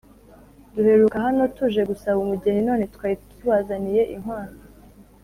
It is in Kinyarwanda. duheruka hano tuje gusaba umugeni, none twari tubazaniye inkwano.